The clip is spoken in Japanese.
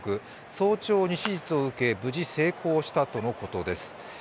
早朝に手術を受け、無事成功したとのことです。